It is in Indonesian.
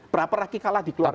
praper lagi kalah dikeluarkan